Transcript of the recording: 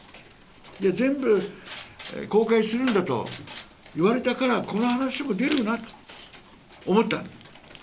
全部公開するんだと言われたからこの話も出るなと思ったんです。